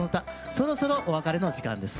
そろそろお別れの時間です。